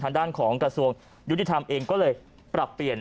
ทางด้านของกระทรวงยุติธรรมเองก็เลยปรับเปลี่ยน